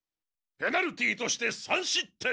ペナルティーとして３失点。